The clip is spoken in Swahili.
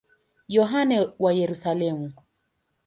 Yohane wa Yerusalemu.